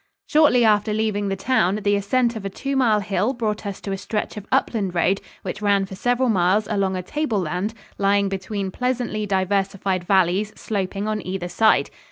Shortly after leaving the town, the ascent of a two mile hill brought us to a stretch of upland road which ran for several miles along a tableland lying between pleasantly diversified valleys sloping on either side.